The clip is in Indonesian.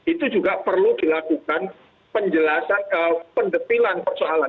itu juga perlu dilakukan penjelasan pendetilan persoalan